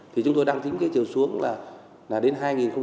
thì chúng tôi đang tính cái chiều xuống là đến hai nghìn ba mươi bảy